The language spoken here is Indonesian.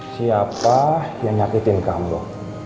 siapa yang nyakitin kamu